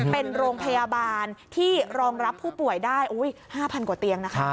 เป็นโรงพยาบาลที่รองรับผู้ป่วยได้๕๐๐กว่าเตียงนะคะ